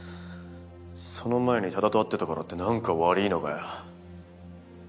その前に多田と会ってたからってなんか悪ぃのかよ。